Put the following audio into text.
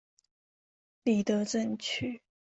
里德镇区。